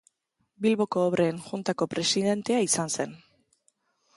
Bilboko Obren Juntako presidentea izan zen.